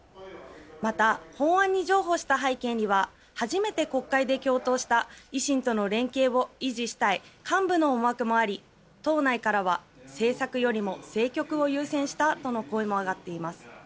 また、法案に譲歩した背景には初めて国会で共闘した維新との連携を維持したい幹部の思惑もあり党内からは政策よりも政局を優先したとの声も上がっています。